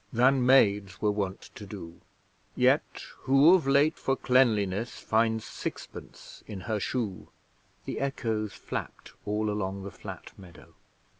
Than maids were wont to do, Yet who of late for cleanliness Finds sixpence in her shoe?' The echoes flapped all along the flat meadow.